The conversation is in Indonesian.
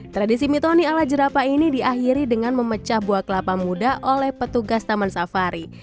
tradisi mitoni ala jerapah ini diakhiri dengan memecah buah kelapa muda oleh petugas taman safari